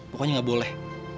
pokoknya gak boleh